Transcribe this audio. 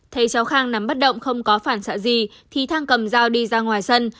thấy cháu khang nắm bắt động không có phản xạ gì thì thang cầm dao đi ra ngoài sân